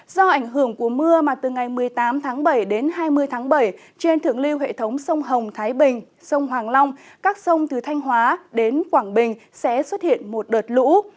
do ảnh hưởng của mưa mà từ ngày một mươi tám tháng bảy đến hai mươi tháng bảy trên thượng lưu hệ thống sông hồng thái bình sông hoàng long các sông từ thanh hóa đến quảng bình sẽ xuất hiện một đợt lũ